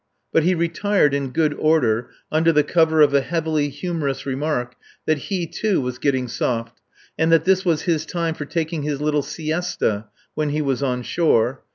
But he retired in good order, under the cover of a heavily humorous remark that he, too, was getting soft, and that this was his time for taking his little siesta when he was on shore.